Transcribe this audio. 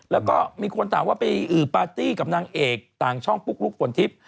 แล้วก็มีคนถามว่าไปปาร์ตี้กับนางเอกต่างช่องปุ๊กลุ๊กฝนทิพย์